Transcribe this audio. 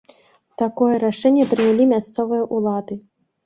Такое рашэнне прынялі мясцовыя ўлады.